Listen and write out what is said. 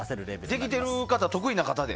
できてる方、得意な方で。